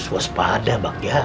suas pada bak ya